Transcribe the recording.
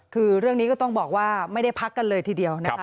คือเรื่องนี้ก็ต้องบอกว่าไม่ได้พักกันเลยทีเดียวนะคะ